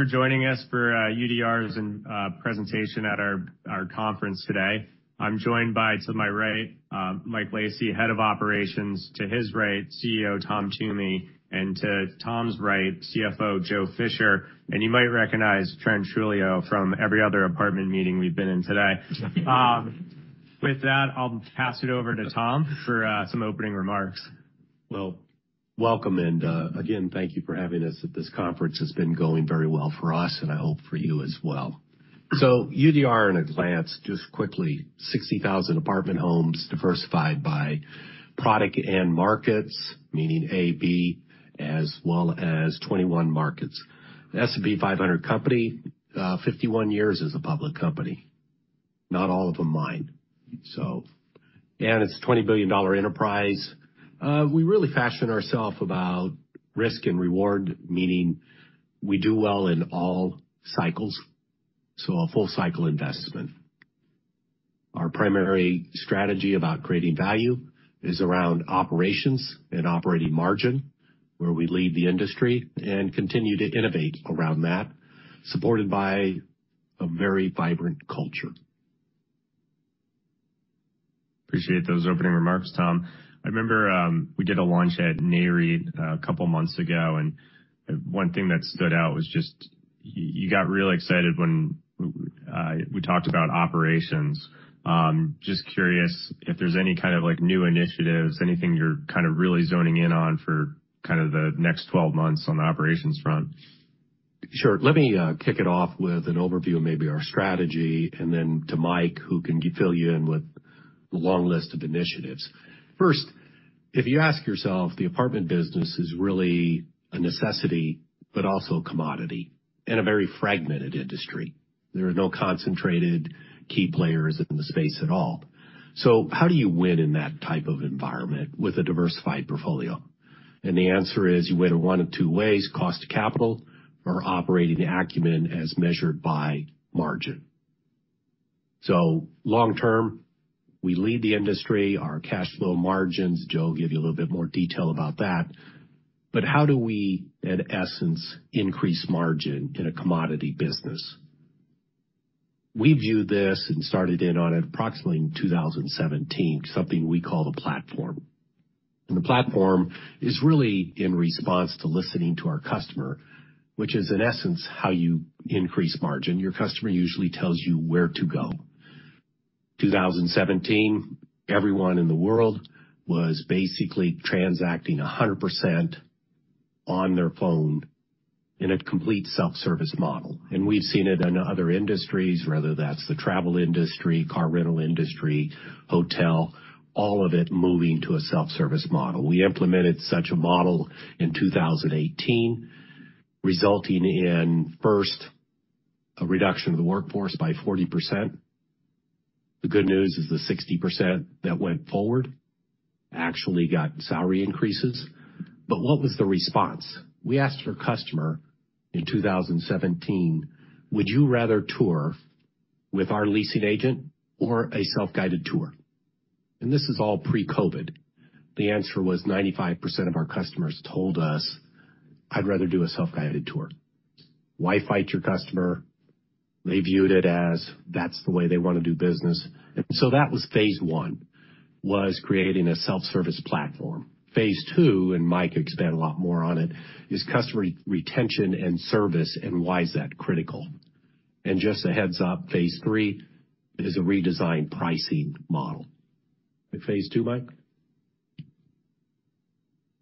Thank you for joining us for UDR's investor presentation at our conference today. I'm joined by, to my right, Mike Lacy, Head of Operations. To his right, CEO Tom Toomey, and to Tom's right, CFO Joe Fisher. And you might recognize Trent Trujillo from every other apartment meeting we've been in today. With that, I'll pass it over to Tom for some opening remarks. Well, welcome, and again, thank you for having us at this conference. It's been going very well for us, and I hope for you as well. So UDR in advance, just quickly, 60,000 apartment homes diversified by product and markets, meaning A, B, as well as 21 markets. S&P 500 company, 51 years as a public company. Not all of them mine, so... And it's a $20 billion enterprise. We really fashion ourself about risk and reward, meaning we do well in all cycles, so a full-cycle investment. Our primary strategy about creating value is around operations and operating margin, where we lead the industry and continue to innovate around that, supported by a very vibrant culture. Appreciate those opening remarks, Tom. I remember, we did a launch at NAREIT a couple months ago, and one thing that stood out was just, you, you got really excited when, we talked about operations. Just curious if there's any kind of, like, new initiatives, anything you're kind of really zoning in on for kind of the next 12 months on the operations front? Sure. Let me kick it off with an overview of maybe our strategy, and then to Mike, who can fill you in with the long list of initiatives. First, if you ask yourself, the apartment business is really a necessity, but also a commodity, in a very fragmented industry. There are no concentrated key players in the space at all. So how do you win in that type of environment with a diversified portfolio? And the answer is, you win in one of two ways: cost to capital or operating acumen as measured by margin. So long term, we lead the industry, our cash flow margins. Joe will give you a little bit more detail about that. But how do we, in essence, increase margin in a commodity business? We view this, and started in on it approximately in 2017, something we call The Platform. The Platform is really in response to listening to our customer, which is, in essence, how you increase margin. Your customer usually tells you where to go. 2017, everyone in the world was basically transacting 100% on their phone in a complete self-service model, and we've seen it in other industries, whether that's the travel industry, car rental industry, hotel, all of it moving to a self-service model. We implemented such a model in 2018, resulting in, first, a reduction of the workforce by 40%. The good news is the 60% that went forward actually got salary increases. But what was the response? We asked our customer in 2017: Would you rather tour with our leasing agent or a self-guided tour? And this is all pre-COVID. The answer was 95% of our customers told us: I'd rather do a self-guided tour. Why fight your customer? They viewed it as that's the way they want to do business. And so that was phase one, was creating a self-service platform. Phase two, and Mike could expand a lot more on it, is customer retention and service, and why is that critical? And just a heads up, phase three is a redesigned pricing model. The phase two, Mike?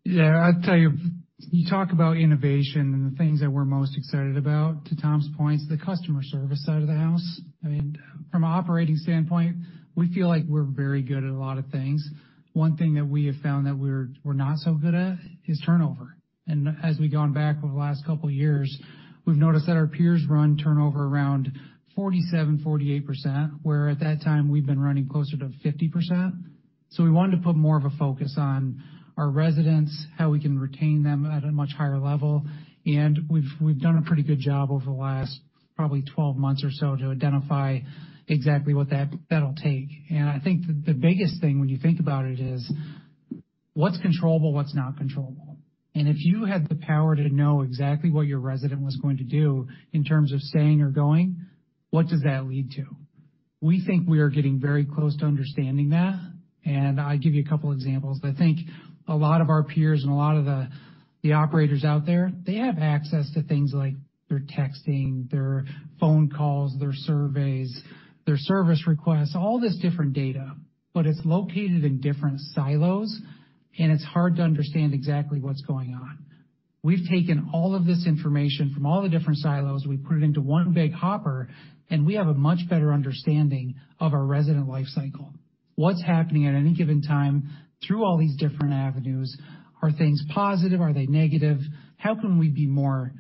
Yeah, I'd tell you, you talk about innovation and the things that we're most excited about, to Tom's point, is the customer service side of the house. I mean, from an operating standpoint, we feel like we're very good at a lot of things. One thing that we have found that we're not so good at is turnover. And as we've gone back over the last couple of years, we've noticed that our peers run turnover around 47%-48%, where at that time, we've been running closer to 50%. So we wanted to put more of a focus on our residents, how we can retain them at a much higher level. And we've done a pretty good job over the last probably 12 months or so to identify exactly what that'll take. I think the biggest thing when you think about it is, what's controllable, what's not controllable? If you had the power to know exactly what your resident was going to do in terms of staying or going, what does that lead to? We think we are getting very close to understanding that, and I give you a couple examples. I think a lot of our peers and a lot of the operators out there, they have access to things like their texting, their phone calls, their surveys, their service requests, all this different data, but it's located in different silos, and it's hard to understand exactly what's going on. We've taken all of this information from all the different silos, we've put it into one big hopper, and we have a much better understanding of our resident life cycle. What's happening at any given time through all these different avenues? Are things positive? Are they negative? How can we be more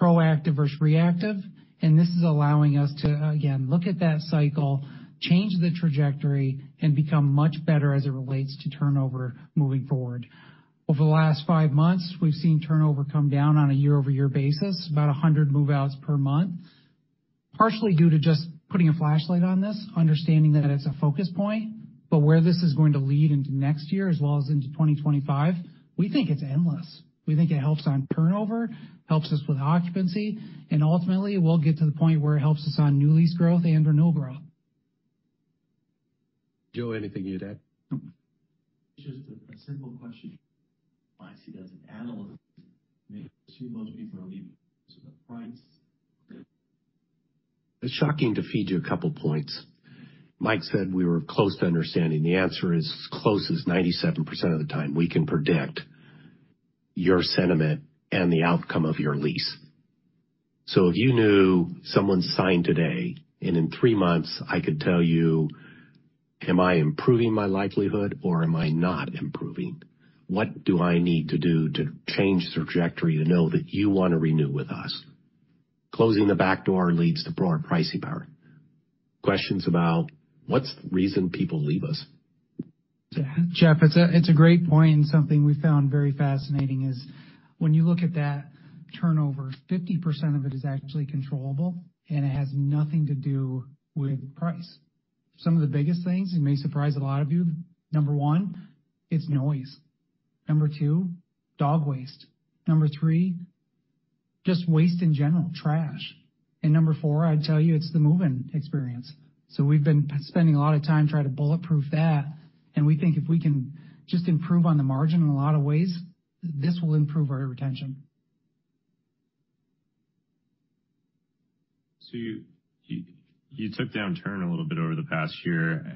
proactive versus reactive? This is allowing us to, again, look at that cycle, change the trajectory, and become much better as it relates to turnover moving forward. Over the last five months, we've seen turnover come down on a year-over-year basis, about 100 move-outs per month... partially due to just putting a flashlight on this, understanding that it's a focus point, but where this is going to lead into next year as well as into 2025, we think it's endless. We think it helps on turnover, helps us with occupancy, and ultimately, it will get to the point where it helps us on new lease growth and/or no growth. Joe, anything you'd add? No. Just a simple question. I see as an analyst, maybe 2 months before leaving the price. It's shocking to feed you a couple of points. Mike said we were close to understanding. The answer is close as 97% of the time, we can predict your sentiment and the outcome of your lease. So if you knew someone signed today, and in three months, I could tell you, am I improving my likelihood or am I not improving? What do I need to do to change the trajectory to know that you want to renew with us? Closing the back door leads to broader pricing power. Questions about what's the reason people leave us? Jeff, it's a great point, and something we found very fascinating is when you look at that turnover, 50% of it is actually controllable, and it has nothing to do with price. Some of the biggest things, it may surprise a lot of you, number one, it's noise. Number two, dog waste. Number three, just waste in general, trash. And number four, I'd tell you it's the move-in experience. So we've been spending a lot of time trying to bulletproof that, and we think if we can just improve on the margin in a lot of ways, this will improve our retention. So, your turnover a little bit over the past year.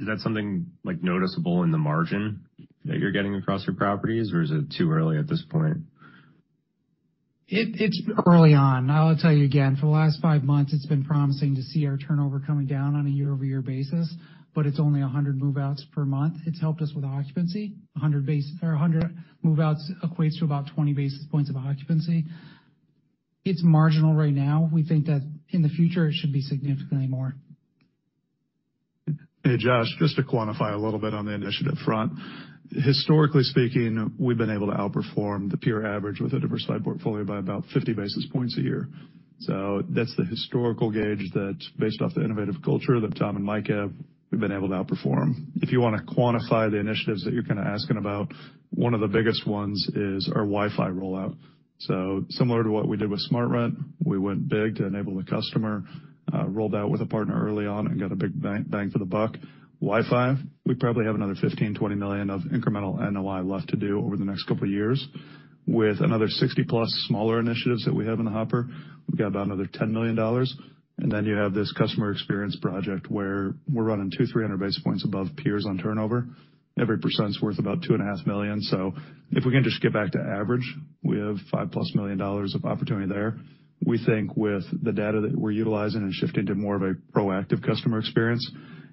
Is that something, like, noticeable in the margin that you're getting across your properties, or is it too early at this point? It's early on. I'll tell you again, for the last five months, it's been promising to see our turnover coming down on a year-over-year basis, but it's only 100 move-outs per month. It's helped us with occupancy. 100 move-outs equates to about 20 basis points of occupancy. It's marginal right now. We think that in the future, it should be significantly more. Hey, Josh, just to quantify a little bit on the initiative front. Historically speaking, we've been able to outperform the peer average with a diversified portfolio by about 50 basis points a year. So that's the historical gauge that's based off the innovative culture that Tom and Mike have, we've been able to outperform. If you want to quantify the initiatives that you're kind of asking about, one of the biggest ones is our Wi-Fi rollout. So similar to what we did with SmartRent, we went big to enable the customer, rolled out with a partner early on and got a big bang for the buck. Wi-Fi, we probably have another $15-$20 million of incremental NOI left to do over the next couple of years, with another 60+ smaller initiatives that we have in the hopper. We've got about another $10 million, and then you have this customer experience project where we're running 200-300 basis points above peers on turnover. Every 1% is worth about $2.5 million. So if we can just get back to average, we have $5+ million of opportunity there. We think with the data that we're utilizing and shifting to more of a proactive customer experience,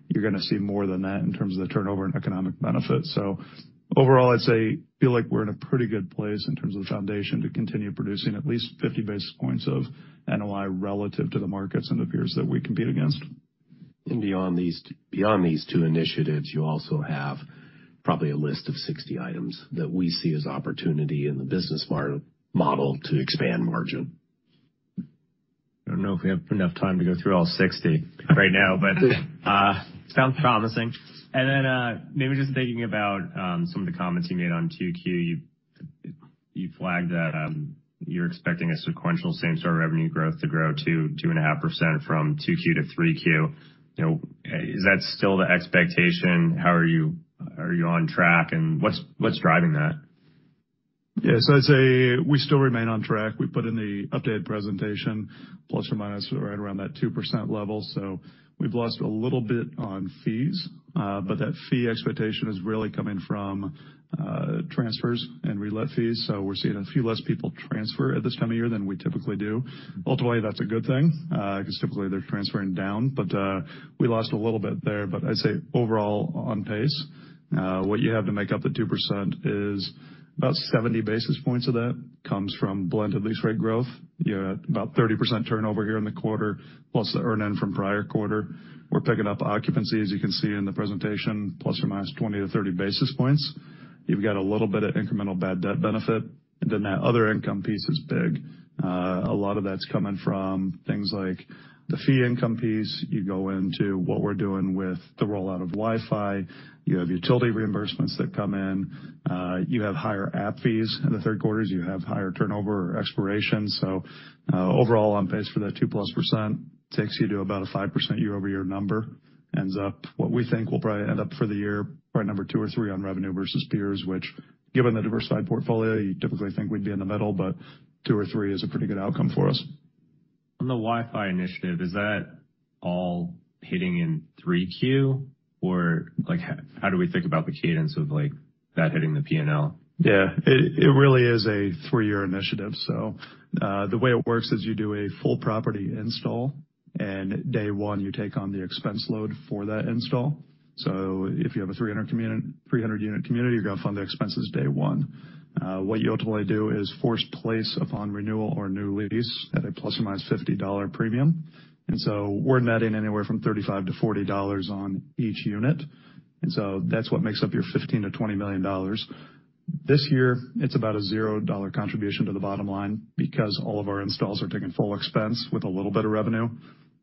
you're going to see more than that in terms of the turnover and economic benefits. So overall, I'd say, feel like we're in a pretty good place in terms of the foundation to continue producing at least 50 basis points of NOI relative to the markets and the peers that we compete against. Beyond these two initiatives, you also have probably a list of 60 items that we see as opportunity in the business model to expand margin. I don't know if we have enough time to go through all 60 right now, but sounds promising. And then, maybe just thinking about some of the comments you made on 2Q. You flagged that you're expecting a sequential same-store revenue growth to grow to 2.5% from 2Q to 3Q. You know, is that still the expectation? How are you, are you on track, and what's driving that? Yes. So I'd say we still remain on track. We put in the updated presentation, ±, right around that 2% level, so we've lost a little bit on fees, but that fee expectation is really coming from, transfers and relet fees. So we're seeing a few less people transfer at this time of year than we typically do. Ultimately, that's a good thing, because typically, they're transferring down, but, we lost a little bit there, but I'd say overall on pace. What you have to make up the 2% is about 70 basis points of that comes from blended lease rate growth. You're at about 30% turnover here in the quarter, plus the earn-in from prior quarter. We're picking up occupancy, as you can see in the presentation, ±20-30 basis points. You've got a little bit of incremental bad debt benefit, and then that other income piece is big. A lot of that's coming from things like the fee income piece. You go into what we're doing with the rollout of Wi-Fi. You have utility reimbursements that come in, you have higher app fees in the third quarters, you have higher turnover or expiration. So, overall, on pace for that 2+% takes you to about a 5% year-over-year number. Ends up what we think will probably end up for the year, right, number 2 or 3 on revenue versus peers, which, given the diversified portfolio, you typically think we'd be in the middle, but 2 or 3 is a pretty good outcome for us. On the Wi-Fi initiative, is that all hitting in 3Q, or like, how do we think about the cadence of, like, that hitting the P&L? Yeah, it really is a 3-year initiative. So, the way it works is you do a full property install, and day one, you take on the expense load for that install. So if you have a 300-unit community, you're going to fund the expenses day one. What you ultimately do is force place upon renewal or new lease at a ±$50 premium. And so we're netting anywhere from $35 to $40 on each unit, and so that's what makes up your $15 million-$20 million. This year, it's about a $0 contribution to the bottom line because all of our installs are taking full expense with a little bit of revenue.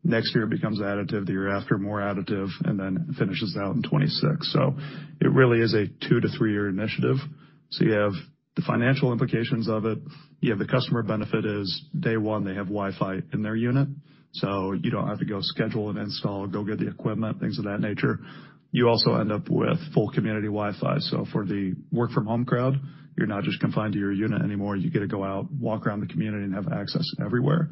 Next year, it becomes additive, the year after, more additive, and then finishes out in 2026. So it really is a two-three-year initiative. So you have the financial implications of it. You have the customer benefit is, day one, they have Wi-Fi in their unit, so you don't have to go schedule an install, go get the equipment, things of that nature. You also end up with full community Wi-Fi. So for the work-from-home crowd, you're not just confined to your unit anymore. You get to go out, walk around the community, and have access everywhere.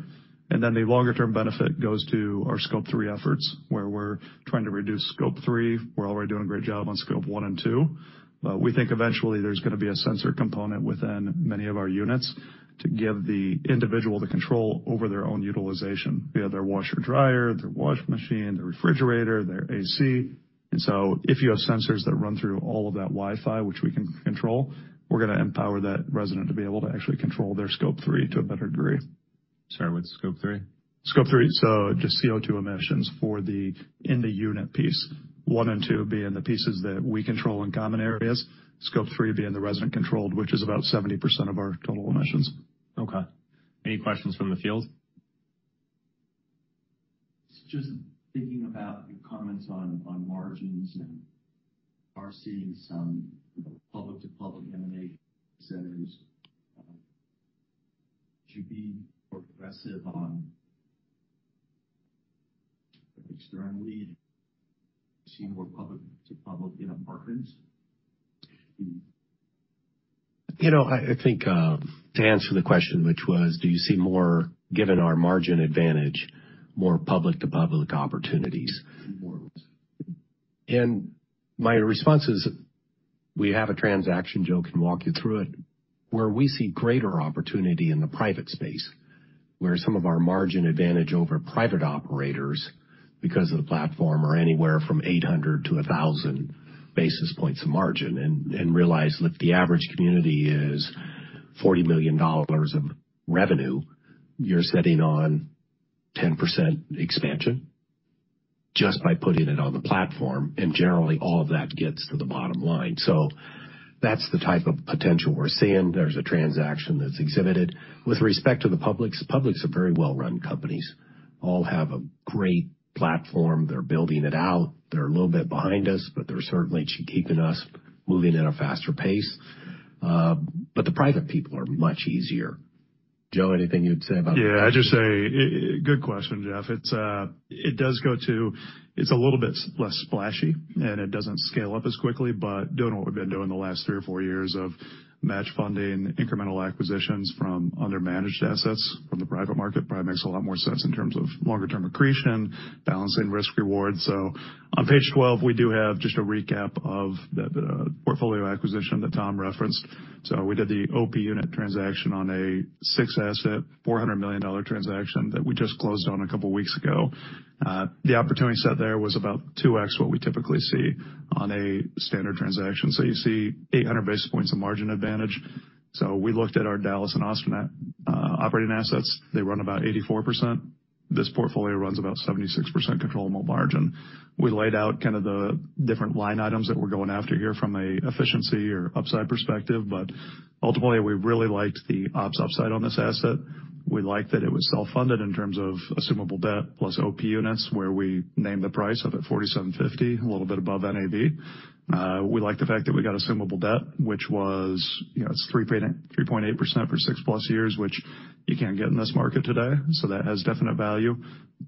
And then the longer-term benefit goes to our Scope 3 efforts, where we're trying to reduce Scope 3. We're already doing a great job on Scope 1 and 2, but we think eventually there's going to be a sensor component within many of our units to give the individual the control over their own utilization via their washer, dryer, their wash machine, their refrigerator, their AC. And so if you have sensors that run through all of that Wi-Fi, which we can control, we're going to empower that resident to be able to actually control their Scope 3 to a better degree. Sorry, what's Scope 3? Scope 3, so just CO2 emissions for the in-the-unit piece. 1 and 2 being the pieces that we control in common areas. Scope 3 being the resident-controlled, which is about 70% of our total emissions. Okay. Any questions from the field? Just thinking about your comments on, on margins, and are seeing some public-to-public M&A centers to be more aggressive on externally, seeing more public-to-public in apartments? You know, I think, to answer the question, which was, do you see more, given our margin advantage, more public-to-public opportunities? More. My response is, we have a transaction, Joe, can walk you through it, where we see greater opportunity in the private space, where some of our margin advantage over private operators, because of The Platform, are anywhere from 800-1,000 basis points of margin, and realize that the average community is $40 million of revenue. You're sitting on 10% expansion just by putting it on The Platform, and generally, all of that gets to the bottom line. So that's the type of potential we're seeing. There's a transaction that's exhibited. With respect to the publics, publics are very well-run companies, all have a great platform. They're building it out. They're a little bit behind us, but they're certainly keeping us moving at a faster pace. But the private people are much easier. Joe, anything you'd say about that? Yeah, I'd just say, good question, Jeff. It's. It does go to. It's a little bit less splashy, and it doesn't scale up as quickly, but doing what we've been doing the last three or four years of match funding, incremental acquisitions from under managed assets from the private market probably makes a lot more sense in terms of longer term accretion, balancing risk reward. So on page 12, we do have just a recap of the portfolio acquisition that Tom referenced. So we did the OP Unit transaction on a six-asset, $400 million transaction that we just closed on a couple weeks ago. The opportunity set there was about 2x what we typically see on a standard transaction. So you see 800 basis points of margin advantage. So we looked at our Dallas and Austin operating assets. They run about 84%. This portfolio runs about 76% controllable margin. We laid out kind of the different line items that we're going after here from a efficiency or upside perspective, but ultimately, we really liked the ops upside on this asset. We liked that it was self-funded in terms of assumable debt, plus OP Units, where we named the price of it $47.50, a little bit above NAV. We liked the fact that we got assumable debt, which was, you know, it's 3.8% for six plus years, which you can't get in this market today. So that has definite value.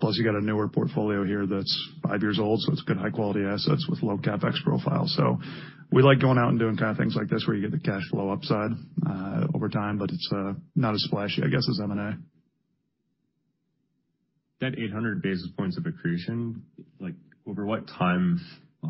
Plus, you got a newer portfolio here that's five years old, so it's good, high-quality assets with low CapEx profile. So we like going out and doing kind of things like this, where you get the cash flow upside over time, but it's not as splashy, I guess, as M&A. That 800 basis points of accretion, like, over what time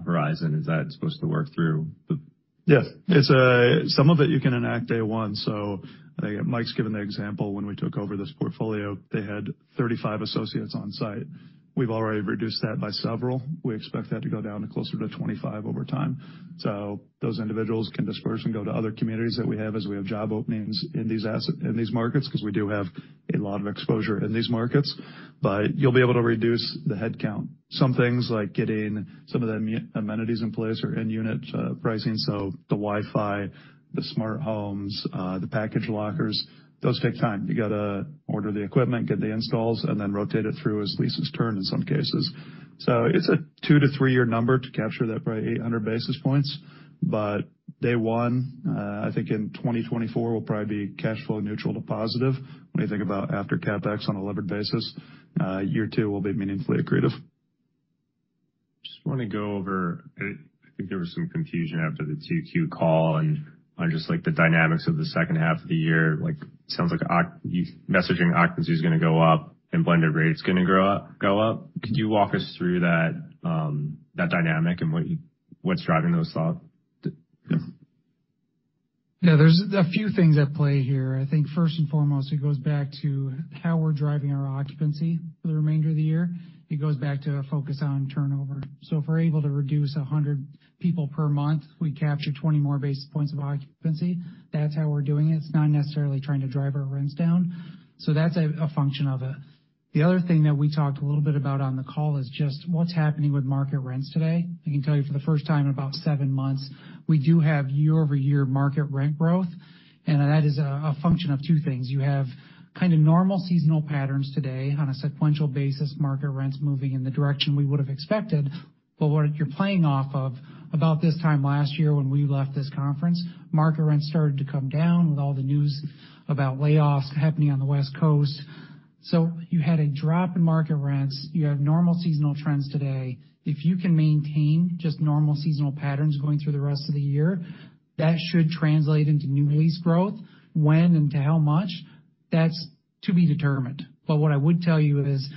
horizon is that supposed to work through the- Yes. It's some of it you can enact day one. So I think Mike's given the example, when we took over this portfolio, they had 35 associates on site. We've already reduced that by several. We expect that to go down to closer to 25 over time. So those individuals can disperse and go to other communities that we have as we have job openings in these markets, because we do have a lot of exposure in these markets, but you'll be able to reduce the headcount. Some things, like getting some of the amenities in place or in-unit pricing, so the Wi-Fi, the smart homes, the package lockers, those take time. You got to order the equipment, get the installs, and then rotate it through as leases turn in some cases. So it's a two- to three-year number to capture that by 800 basis points. But day one, I think in 2024, we'll probably be cash flow neutral to positive. When you think about after CapEx on a levered basis, year two will be meaningfully accretive. Just want to go over, I think there was some confusion after the 2Q call on, on just, like, the dynamics of the second half of the year. Like, sounds like occupancy messaging is going to go up and blended rate is going to grow up, go up. Could you walk us through that dynamic and what's driving those thoughts? Yeah. Yeah, there's a few things at play here. I think, first and foremost, it goes back to how we're driving our occupancy for the remainder of the year. It goes back to a focus on turnover. So if we're able to reduce 100 people per month, we capture 20 more basis points of occupancy. That's how we're doing it. It's not necessarily trying to drive our rents down. So that's a function of it... The other thing that we talked a little bit about on the call is just what's happening with market rents today. I can tell you for the first time in about 7 months, we do have year-over-year market rent growth, and that is a function of 2 things. You have kind of normal seasonal patterns today on a sequential basis, market rents moving in the direction we would have expected. But what you're playing off of, about this time last year, when we left this conference, market rents started to come down with all the news about layoffs happening on the West Coast. So you had a drop in market rents. You have normal seasonal trends today. If you can maintain just normal seasonal patterns going through the rest of the year, that should translate into new lease growth. When and to how much, that's to be determined. But what I would tell you is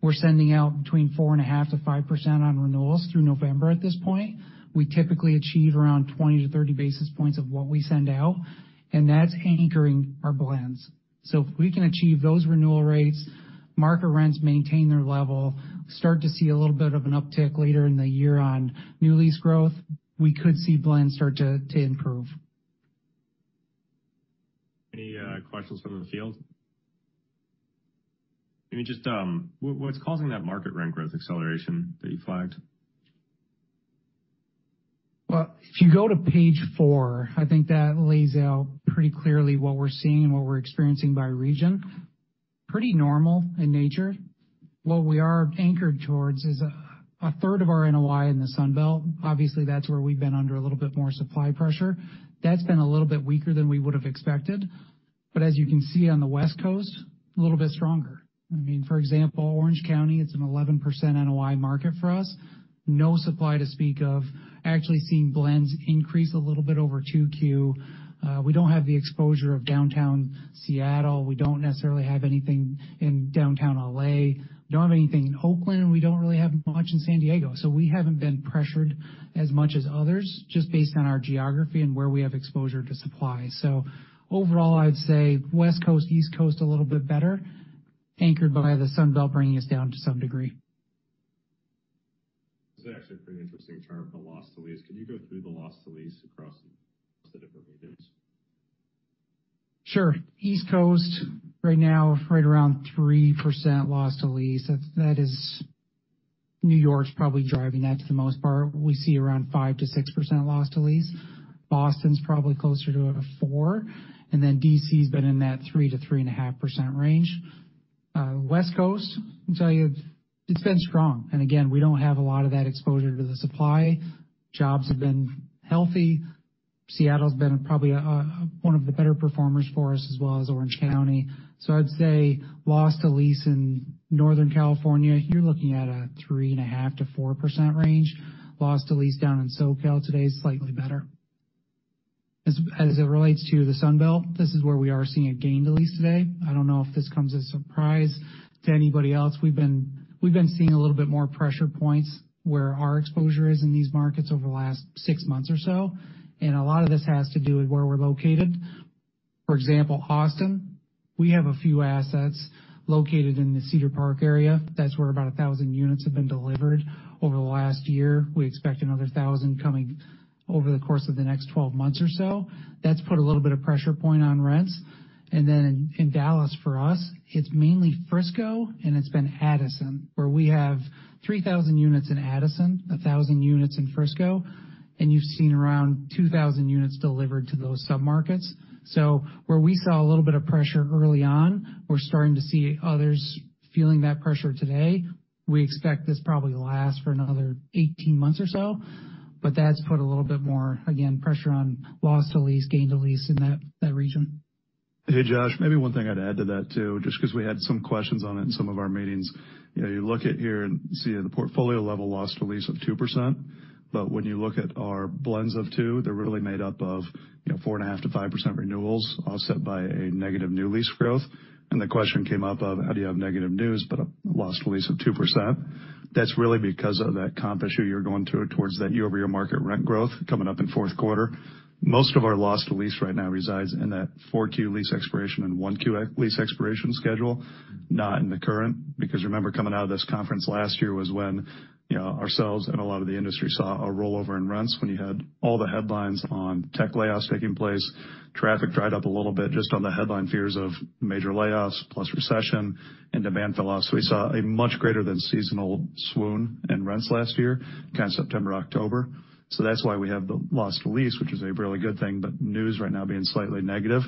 we're sending out between 4.5%-5% on renewals through November at this point. We typically achieve around 20-30 basis points of what we send out, and that's anchoring our blends. So if we can achieve those renewal rates, market rents maintain their level, start to see a little bit of an uptick later in the year on new lease growth, we could see blends start to improve. Any questions from the field? Maybe just what's causing that market rent growth acceleration that you flagged? Well, if you go to page four, I think that lays out pretty clearly what we're seeing and what we're experiencing by region. Pretty normal in nature. What we are anchored towards is a third of our NOI in the Sun Belt. Obviously, that's where we've been under a little bit more supply pressure. That's been a little bit weaker than we would have expected, but as you can see on the West Coast, a little bit stronger. I mean, for example, Orange County, it's an 11% NOI market for us. No supply to speak of. Actually, seeing blends increase a little bit over 2Q. We don't have the exposure of downtown Seattle. We don't necessarily have anything in downtown L.A., don't have anything in Oakland, and we don't really have much in San Diego, so we haven't been pressured as much as others, just based on our geography and where we have exposure to supply. So overall, I'd say West Coast, East Coast, a little bit better, anchored by the Sun Belt, bringing us down to some degree. It's actually a pretty interesting chart of the loss to lease. Can you go through the loss to lease across the different regions? Sure. East Coast, right now, right around 3% loss to lease. That is New York's probably driving that to the most part. We see around 5%-6% loss to lease. Boston's probably closer to 4%, and then D.C.'s been in that 3%-3.5% range. West Coast, I'll tell you, it's been strong. And again, we don't have a lot of that exposure to the supply. Jobs have been healthy. Seattle's been probably one of the better performers for us, as well as Orange County. So I'd say loss to lease in Northern California, you're looking at a 3.5%-4% range. Loss to lease down in SoCal today is slightly better. As it relates to the Sun Belt, this is where we are seeing a gain to lease today. I don't know if this comes as a surprise to anybody else. We've been, we've been seeing a little bit more pressure points where our exposure is in these markets over the last six months or so, and a lot of this has to do with where we're located. For example, Austin, we have a few assets located in the Cedar Park area. That's where about 1,000 units have been delivered over the last year. We expect another 1,000 coming over the course of the next 12 months or so. That's put a little bit of pressure point on rents. And then in Dallas, for us, it's mainly Frisco, and it's been Addison, where we have 3,000 units in Addison, 1,000 units in Frisco, and you've seen around 2,000 units delivered to those submarkets. So where we saw a little bit of pressure early on, we're starting to see others feeling that pressure today. We expect this probably will last for another 18 months or so, but that's put a little bit more, again, pressure on loss to lease, gain to lease in that, that region. Hey, Josh, maybe one thing I'd add to that, too, just because we had some questions on it in some of our meetings. You know, you look at here and see the portfolio level loss to lease of 2%, but when you look at our blends of 2, they're really made up of, you know, 4.5%-5% renewals, offset by a negative new lease growth. And the question came up of: How do you have negative new lease, but a loss to lease of 2%? That's really because of that comp issue you're going through towards that year-over-year market rent growth coming up in fourth quarter. Most of our loss to lease right now resides in that 4Q lease expiration and 1Q in-lease expiration schedule, not in the current. Because remember, coming out of this conference last year was when, you know, ourselves and a lot of the industry saw a rollover in rents when you had all the headlines on tech layoffs taking place. Traffic dried up a little bit just on the headline fears of major layoffs, plus recession and demand fell off. So we saw a much greater than seasonal swoon in rents last year, kind of September, October. So that's why we have the loss to lease, which is a really good thing, but news right now being slightly negative.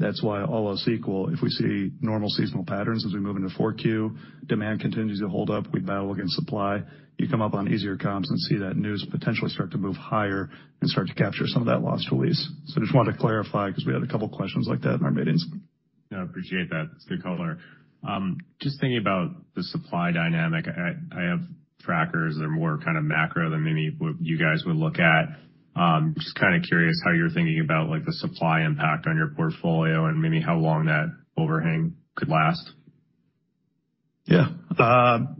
That's why all else equal, if we see normal seasonal patterns as we move into 4Q, demand continues to hold up, we battle against supply, you come up on easier comps and see that news potentially start to move higher and start to capture some of that loss to lease. Just wanted to clarify, because we had a couple of questions like that in our meetings. Yeah, I appreciate that. It's a good color. Just thinking about the supply dynamic, I have trackers. They're more kind of macro than maybe what you guys would look at. Just kind of curious how you're thinking about, like, the supply impact on your portfolio and maybe how long that overhang could last?... Yeah.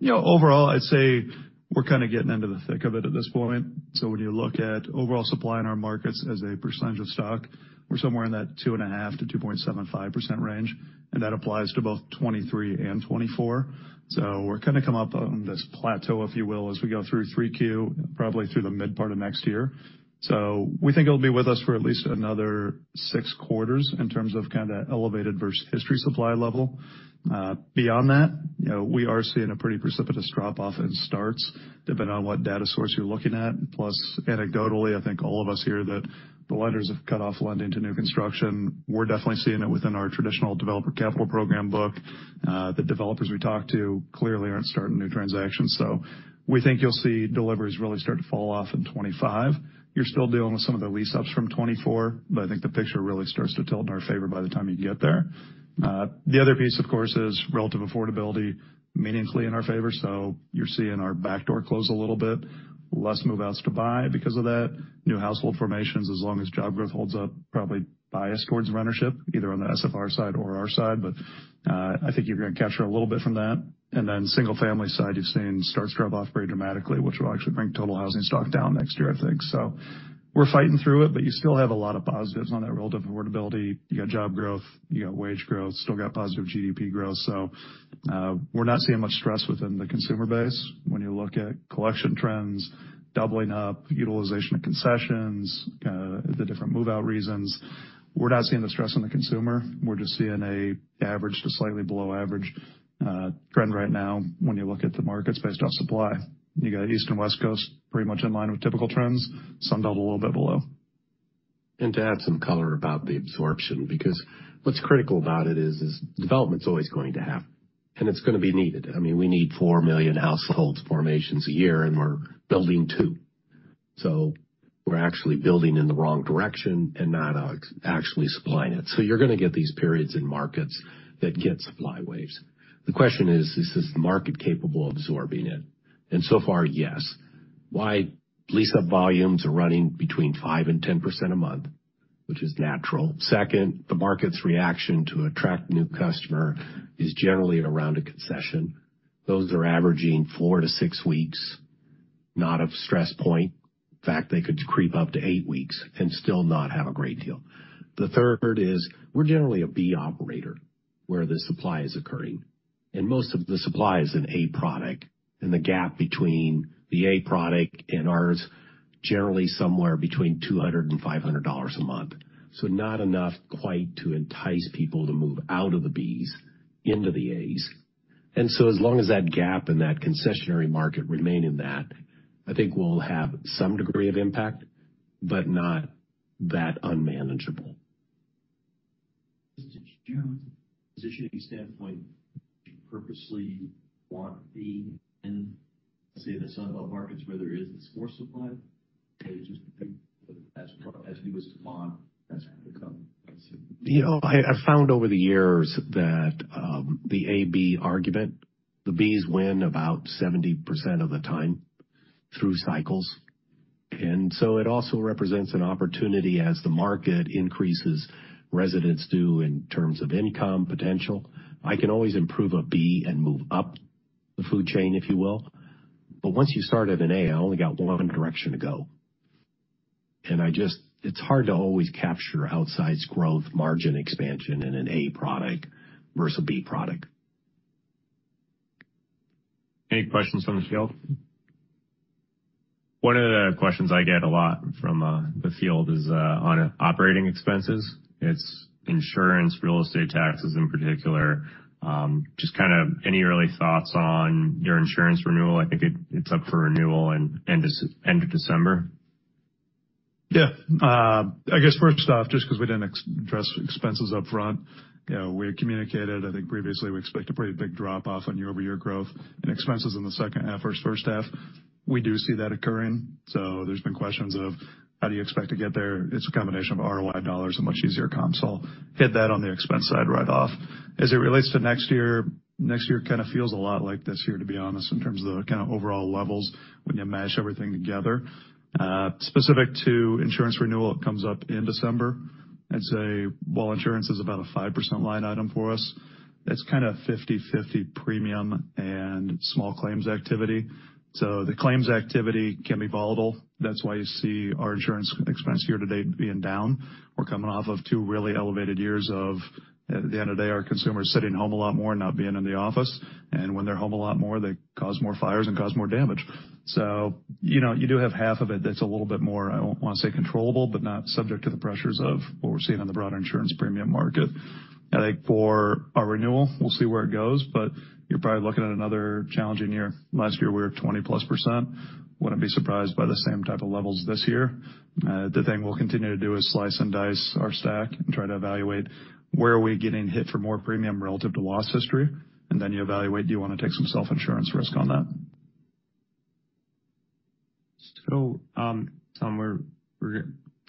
You know, overall, I'd say we're kind of getting into the thick of it at this point. So when you look at overall supply in our markets as a percentage of stock, we're somewhere in that 2.5%-2.75% range, and that applies to both 2023 and 2024. So we're gonna come up on this plateau, if you will, as we go through 3Q, probably through the mid part of next year. So we think it'll be with us for at least another six quarters in terms of kind of that elevated versus history supply level. Beyond that, you know, we are seeing a pretty precipitous drop-off in starts, depending on what data source you're looking at. Plus, anecdotally, I think all of us hear that the lenders have cut off lending to new construction. We're definitely seeing it within our traditional developer capital program book. The developers we talk to clearly aren't starting new transactions, so we think you'll see deliveries really start to fall off in 2025. You're still dealing with some of the lease ups from 2024, but I think the picture really starts to tilt in our favor by the time you get there. The other piece, of course, is relative affordability meaningfully in our favor. So you're seeing our backdoor close a little bit, less move-outs to buy because of that. New household formations, as long as job growth holds up, probably biased towards rentership, either on the SFR side or our side. But I think you're going to capture a little bit from that. And then single-family side, you've seen starts drop off pretty dramatically, which will actually bring total housing stock down next year, I think. So we're fighting through it, but you still have a lot of positives on that relative affordability. You got job growth, you got wage growth, still got positive GDP growth. So, we're not seeing much stress within the consumer base. When you look at collection trends, doubling up, utilization of concessions, the different move-out reasons, we're not seeing the stress on the consumer. We're just seeing a average to slightly below average, trend right now when you look at the markets based off supply. You got East Coast and West Coast pretty much in line with typical trends, some down a little bit below. And to add some color about the absorption, because what's critical about it is, is development's always going to happen, and it's going to be needed. I mean, we need 4 million household formations a year, and we're building 2. So we're actually building in the wrong direction and not actually supplying it. So you're going to get these periods in markets that get supply waves. The question is: Is this market capable of absorbing it? And so far, yes. Why? Lease up volumes are running between 5% and 10% a month, which is natural. Second, the market's reaction to attract new customer is generally around a concession. Those are averaging 4-6 weeks, not a stress point. In fact, they could creep up to 8 weeks and still not have a great deal. The third is, we're generally a B operator where the supply is occurring, and most of the supply is in A product, and the gap between the A product and ours, generally somewhere between $200-$500 a month. So not enough quite to entice people to move out of the Bs into the As. And so as long as that gap in that concessionary market remain in that, I think we'll have some degree of impact, but not that unmanageable. From a positioning standpoint, do you purposely want to be in, say, the Sun Belt markets where there is this more supply? Or just as, as new as demand, that's going to come? You know, I found over the years that, the AB argument, the Bs win about 70% of the time through cycles. And so it also represents an opportunity as the market increases, residents do in terms of income potential. I can always improve a B and move up the food chain, if you will, but once you start at an A, I only got one direction to go. And I just, it's hard to always capture outsized growth, margin expansion in an A product versus a B product. Any questions from the field? One of the questions I get a lot from the field is on operating expenses. It's insurance, real estate taxes in particular. Just kind of any early thoughts on your insurance renewal? I think it's up for renewal at the end of December. Yeah. I guess first off, just because we didn't address expenses up front, you know, we had communicated, I think previously, we expect a pretty big drop-off on year-over-year growth and expenses in the second half versus first half. We do see that occurring, so there's been questions of: How do you expect to get there? It's a combination of ROI dollars and much easier comms. So I'll hit that on the expense side right off. As it relates to next year, next year kind of feels a lot like this year, to be honest, in terms of the kind of overall levels when you mash everything together. Specific to insurance renewal, it comes up in December. I'd say, while insurance is about a 5% line item for us, it's kind of 50/50 premium and small claims activity. So the claims activity can be volatile. That's why you see our insurance expense year-to-date being down. We're coming off of two really elevated years of, at the end of the day, our consumers sitting home a lot more and not being in the office. And when they're home a lot more, they cause more fires and cause more damage. So you know, you do have half of it that's a little bit more, I don't want to say controllable, but not subject to the pressures of what we're seeing on the broader insurance premium market. I think for our renewal, we'll see where it goes, but you're probably looking at another challenging year. Last year, we were 20%+. Wouldn't be surprised by the same type of levels this year. The thing we'll continue to do is slice and dice our stack and try to evaluate where are we getting hit for more premium relative to loss history, and then you evaluate, do you want to take some self-insurance risk on that? So, Tom,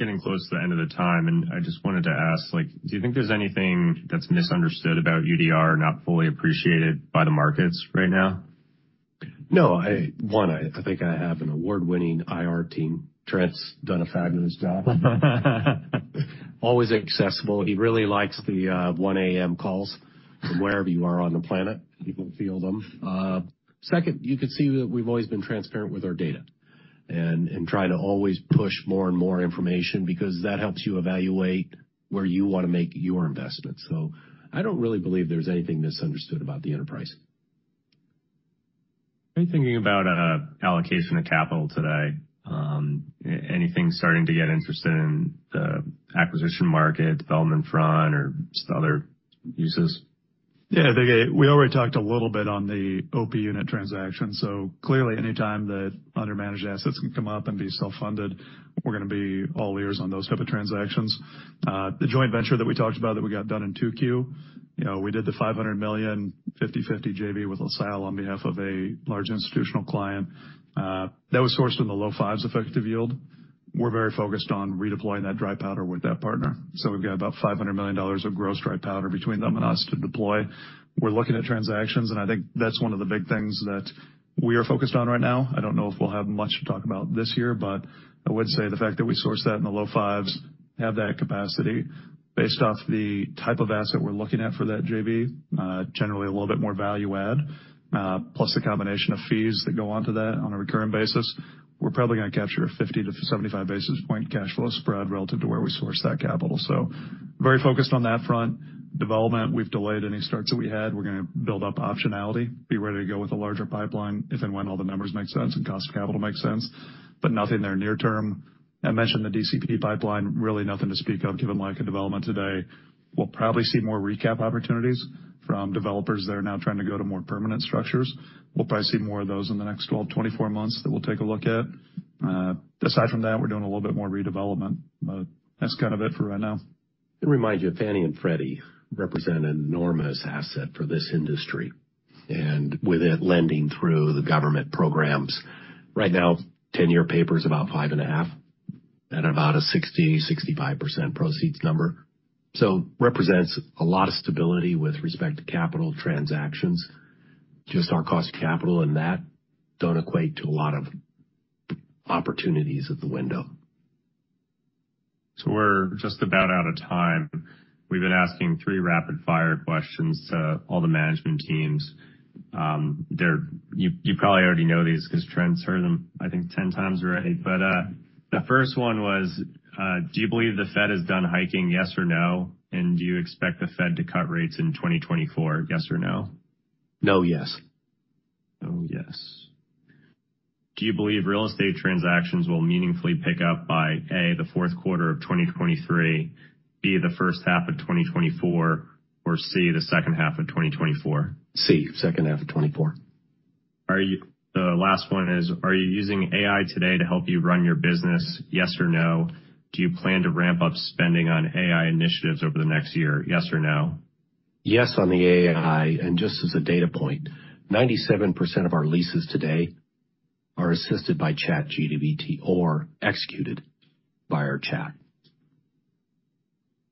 we're getting close to the end of the time, and I just wanted to ask, like, do you think there's anything that's misunderstood about UDR, not fully appreciated by the markets right now?... No. One, I think I have an award-winning IR team. Trent's done a fabulous job. Always accessible. He really likes the 1 A.M. calls from wherever you are on the planet, he will field them. Second, you can see that we've always been transparent with our data and try to always push more and more information because that helps you evaluate where you want to make your investments. So I don't really believe there's anything misunderstood about the enterprise. Are you thinking about allocation of capital today? Anything starting to get interested in the acquisition market, development front, or just other uses? Yeah, I think we already talked a little bit on the OP Unit transaction. So clearly, anytime that under managed assets can come up and be self-funded, we're going to be all ears on those type of transactions. The joint venture that we talked about that we got done in 2Q, you know, we did the $500 million 50/50 JV with LaSalle on behalf of a large institutional client, that was sourced in the low fives effective yield. We're very focused on redeploying that dry powder with that partner. So we've got about $500 million of gross dry powder between them and us to deploy. We're looking at transactions, and I think that's one of the big things that we are focused on right now. I don't know if we'll have much to talk about this year, but I would say the fact that we sourced that in the low 5s, have that capacity based off the type of asset we're looking at for that JV, generally a little bit more value add, plus the combination of fees that go onto that on a recurring basis, we're probably going to capture a 50-75 basis point cash flow spread relative to where we sourced that capital. So very focused on that front. Development, we've delayed any starts that we had. We're going to build up optionality, be ready to go with a larger pipeline if and when all the numbers make sense and cost of capital makes sense, but nothing there near term. I mentioned the DCP pipeline, really nothing to speak of given lack of development today. We'll probably see more recap opportunities from developers that are now trying to go to more permanent structures. We'll probably see more of those in the next 12-24 months that we'll take a look at. Aside from that, we're doing a little bit more redevelopment, but that's kind of it for right now. Let me remind you, Fannie and Freddie represent an enormous asset for this industry, and with it, lending through the government programs. Right now, 10-year paper is about 5.5 at about a 60%-65% proceeds number. So represents a lot of stability with respect to capital transactions. Just our cost of capital and that don't equate to a lot of opportunities at the window. So we're just about out of time. We've been asking three rapid-fire questions to all the management teams. You probably already know these because Trent's heard them, I think, ten times already. But the first one was, do you believe the Fed is done hiking, yes or no? And do you expect the Fed to cut rates in 2024, yes or no? No, yes. Oh, yes. Do you believe real estate transactions will meaningfully pick up by, A, the fourth quarter of 2023, B, the first half of 2024, or C, the second half of 2024? C, second half of 2024. The last one is: Are you using AI today to help you run your business, yes or no? Do you plan to ramp up spending on AI initiatives over the next year, yes or no? Yes, on the AI, and just as a data point, 97% of our leases today are assisted by ChatGPT or executed via chat.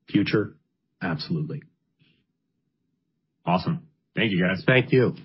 Future? Absolutely. Awesome. Thank you, guys. Thank you.